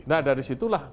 nah dari situlah